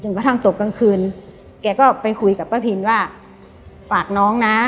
กระทั่งตกกลางคืนแกก็ไปคุยกับป้าพินว่าฝากน้องนะ